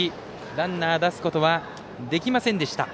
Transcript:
ランナー出すことはできませんでした。